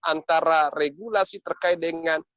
antara regulasi terkait dengan